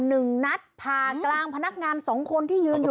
หนึ่งนัดผ่ากลางพนักงานสองคนที่ยืนอยู่